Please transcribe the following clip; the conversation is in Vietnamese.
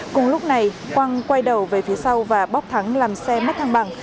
cùng lúc này quang quay đầu về phía sau và bóp thắng làm xe mất thang bằng